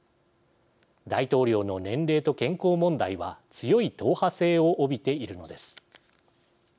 大統領の年齢と健康問題は強い党派性を帯びているのです。